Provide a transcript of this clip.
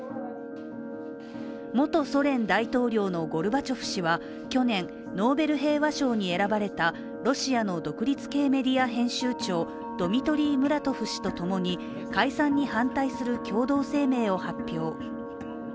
元ソ連大統領のゴルバチョフ氏は去年ノーベル平和賞に選ばれたロシアの独立系メディア編集長ドミトリー・ムラトフ氏と共に解散に反対する共同声明を発表。